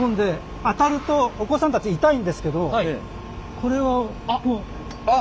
これは。あっ！